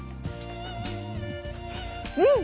うん！